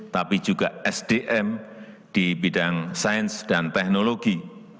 tapi juga sdm di bidang sains dan teknologi